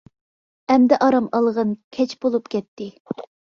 -ئەمدى ئارام ئالغىن، كەچ بولۇپ كەتتى.